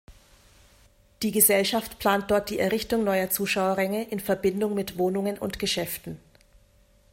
Die Gesellschaft plant dort die Errichtung neuer Zuschauerränge in Verbindung mit Wohnungen und Geschäften.